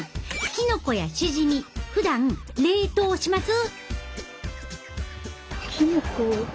きのこやしじみふだん冷凍します？